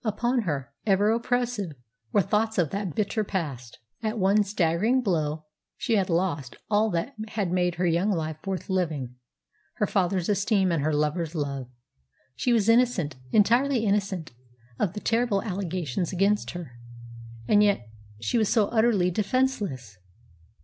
Upon her, ever oppressive, were thoughts of that bitter past. At one staggering blow she had lost all that had made her young life worth living her father's esteem and her lover's love. She was innocent, entirely innocent, of the terrible allegations against her, and yet she was so utterly defenceless!